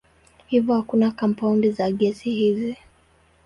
Hivyo hakuna kampaundi za gesi hizi.